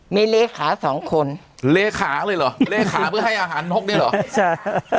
มั้ยโรงคีดตสองคนเลขาเลยรอเลขาเผื่อให้อาหารนกเนี้ยหรอใช่